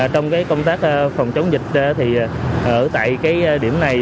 trong công tác phòng chống dịch thì ở tại cái điểm này